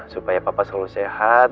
supaya papa selalu sehat